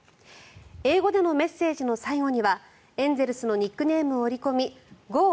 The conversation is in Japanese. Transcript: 英語でのメッセージの最後にはエンゼルスのニックネームを織り込みゴー！